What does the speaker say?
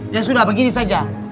ya sudah begini saja